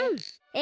え